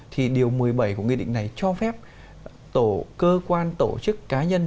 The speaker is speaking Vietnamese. thì điều một mươi bảy của nghị định này cho phép cơ quan tổ chức cá nhân